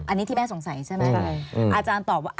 อันนี้ที่แม่สงสัยใช่ไหมอาจารย์ตอบว่า